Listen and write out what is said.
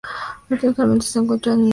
Actualmente se encuentran en desuso.